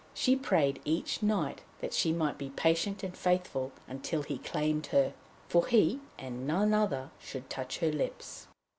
She prayed each night that she might be patient and faithful until he claimed her, for he, and none other, should touch her lips.